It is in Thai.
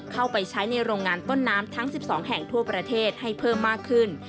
เข้าไปใช้ในโรงงานต้นน้ำทั้ง๑๒แห่งทั่วประเทศให้เพิ่มมากขึ้น